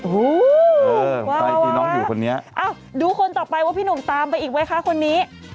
ฮู้ว๊าคนนี้ดูคนต่อไปว่าพี่หนูตามไปอีกไว้ค่ะคนนี้